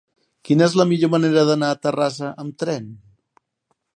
Quina és la millor manera d'anar a Terrassa amb tren?